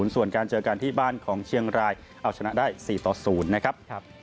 ส่วนการเจอกันที่บ้านของเชียงรายเอาชนะได้๔ต่อ๐นะครับ